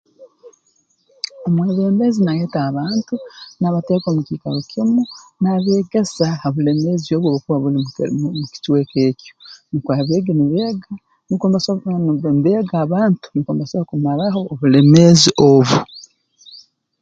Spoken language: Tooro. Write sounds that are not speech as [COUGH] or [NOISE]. Omwebembezi naayeta abantu naabateeka omu kiikaro kimu naabeegesa ha bulemeezi obu obukuba buli mu mu kicweka eki nukwo abeegi nibeega nukwo mbasobora n'obu barukuba nibeega abantu [UNINTELLIGIBLE] kumaraho obulemeezi obu